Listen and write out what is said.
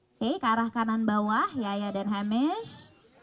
oke ke arah kanan bawah yaya dan hamish